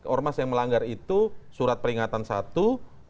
ormas yang melanggar itu surat peringatan satu